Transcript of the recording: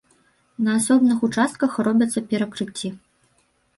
На асобных участках робяцца перакрыцці.